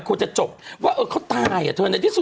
ก็ใช่อย่างนี้